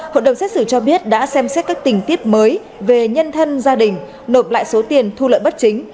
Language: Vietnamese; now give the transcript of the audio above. hội đồng xét xử cho biết đã xem xét các tình tiết mới về nhân thân gia đình nộp lại số tiền thu lợi bất chính